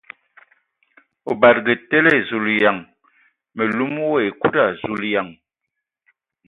O badǝgǝ tele ! Zulǝyan ! Mǝ lum wa ekuda ! Zuleyan !